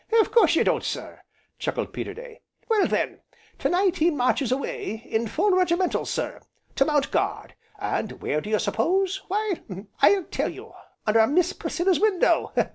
"Of course you don't, sir," chuckled Peterday, "well then, to night he marches away in full regimentals, sir, to mount guard. And where, do you suppose? why, I'll tell you, under Miss Priscilla's window!